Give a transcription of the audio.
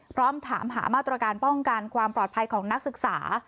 พร้อมถามหามาตรการป้องกันความปลอดภัยของนักศึกษา